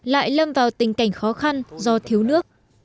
lại lâm vào tình cảnh khó khăn do thiếu nước